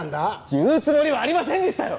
言うつもりはありませんでしたよ！